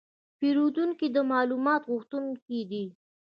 پیرودونکي د معلوماتو غوښتونکي دي.